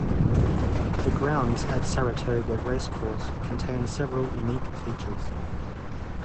The grounds at Saratoga Race Course contain several unique features.